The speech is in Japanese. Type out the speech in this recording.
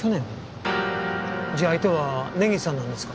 じゃあ相手は根岸さんなんですか？